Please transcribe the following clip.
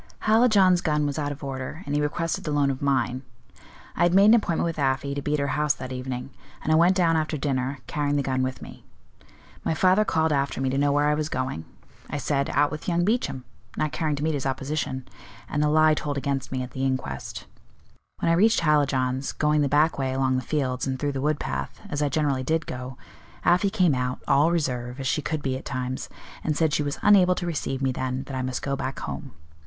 "Hallijohn's gun was out of order, and he requested the loan of mine. I had made an appointment with Afy to be at her house that evening, and I went down after dinner, carrying the gun with me. My father called after me to know where I was going; I said, out with young Beauchamp, not caring to meet his opposition; and the lie told against me at the inquest. When I reached Hallijohn's, going the back way along the fields, and through the wood path, as I generally did go, Afy came out, all reserve, as she could be at times, and said she was unable to receive me then, that I must go back home.